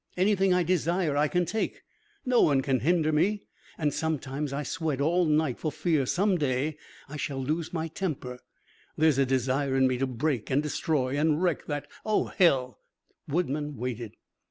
Anything I desire I can take. No one can hinder. And sometimes I sweat all night for fear some day I shall lose my temper. There's a desire in me to break and destroy and wreck that oh, hell " Woodman waited.